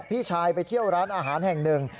พี่ชายไปเที่ยวร้านอาหารแห่งหนึ่ง